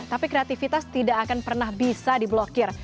tapi kreatifitas tidak akan pernah bisa di blokir